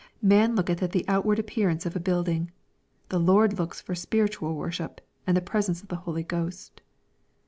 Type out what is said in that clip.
Man looketh at the outward appearance of a building. The Lord looks for spiritual worship, and the presence of the Holy Ghost.